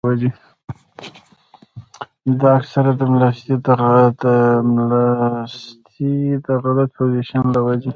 دا اکثر د ملاستې د غلط پوزيشن له وجې